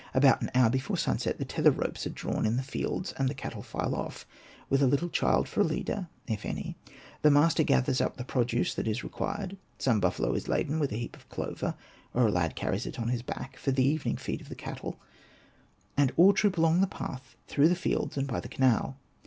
About an hour before sunset the tether ropes are drawn in the fields, and the cattle file off, with a little child for a leader — if any ; the master gathers up the produce that is required, some buffalo is laden with a heap of clover, or a lad carries it on his back, for the evening feed of the cattle, and all troop along the path through the fields and by the canal.